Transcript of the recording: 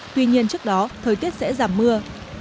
tuy nhiên trước đó thời tiết sẽ giảm mưa